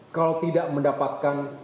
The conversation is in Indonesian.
kalau tidak mendapatkan